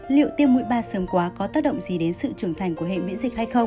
liệu tiêm mũi ba sớm quá có tác động gì đến sự trưởng thành của hệ miễn dịch hay không